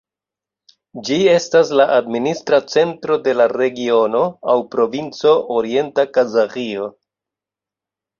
Ĝi estas la administra centro de la regiono aŭ provinco Orienta Kazaĥio.